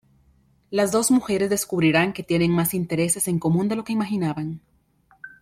Las dos mujeres descubrirán que tienen más intereses en común de lo que imaginaban.